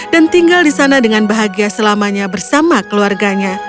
dan tinggal di sana dengan bahagia selamanya bersama keluarganya